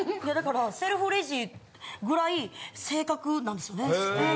いやだからセルフレジぐらい正確なんですよね。